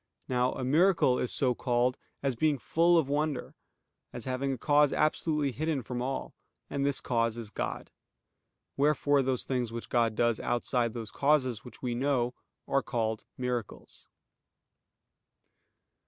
Now a miracle is so called as being full of wonder; as having a cause absolutely hidden from all: and this cause is God. Wherefore those things which God does outside those causes which we know, are called miracles.